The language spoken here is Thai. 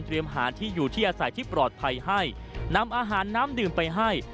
หาที่อยู่ที่อาศัยที่ปลอดภัยให้นำอาหารน้ำดื่มไปให้